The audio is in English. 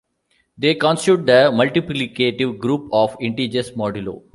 They constitute the multiplicative group of integers modulo.